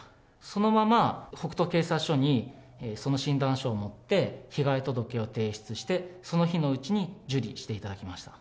そのまま北杜警察署にその診断書を持って、被害届を提出して、その日のうちに受理していただきました。